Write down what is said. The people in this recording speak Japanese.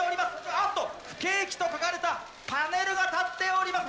あーっと、不景気と書かれたパネルが立っております。